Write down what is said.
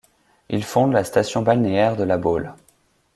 Il fonde la station balnéaire de La Baule.